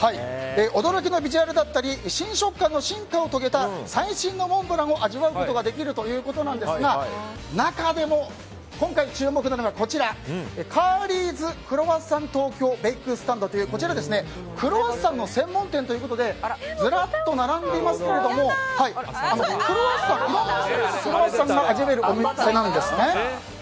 驚きのビジュアルだったり新食感の進化を遂げた最新のモンブランを味わうことができるということですが中でも、今回注目なのがカーリーズクロワッサントウキョウベイクスタンドというこちらはクロワッサンの専門店ということでずらっと並んでいますがいろんな種類のクロワッサンが味わえるお店なんですね。